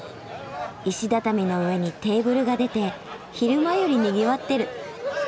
石畳の上にテーブルが出て昼間よりにぎわってる。